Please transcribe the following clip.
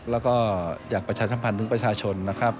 และก็อยากประชาชนภัณฑ์ทุกประชาชน